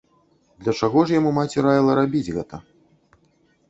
Для чаго ж яму маці раіла рабіць гэта?